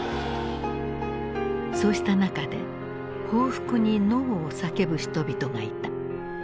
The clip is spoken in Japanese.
そうした中で報復に「ノー」を叫ぶ人々がいた。